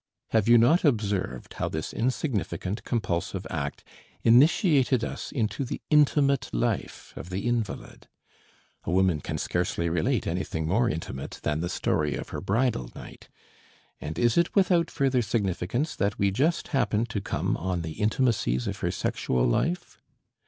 Have you not observed how this insignificant compulsive act initiated us into the intimate life of the invalid? A woman can scarcely relate anything more intimate than the story of her bridal night, and is it without further significance that we just happened to come on the intimacies of her sexual life?